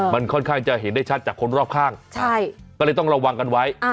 มันค่อนข้างจะเห็นได้ชัดจากคนรอบข้างก็เลยต้องระวังกันไว้